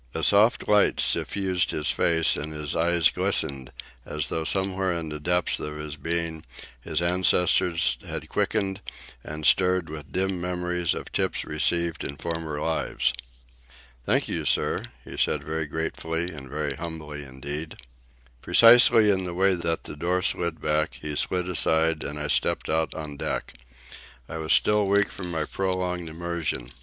A soft light suffused his face and his eyes glistened, as though somewhere in the deeps of his being his ancestors had quickened and stirred with dim memories of tips received in former lives. "Thank you, sir," he said, very gratefully and very humbly indeed. Precisely in the way that the door slid back, he slid aside, and I stepped out on deck. I was still weak from my prolonged immersion.